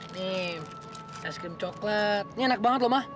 nih es krim coklat ini enak banget loh mah